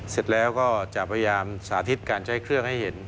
เสร็จแล้วก็จะพยายามสาธิตการใช้เครื่องให้เห็น